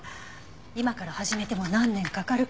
今から始めても何年かかるか。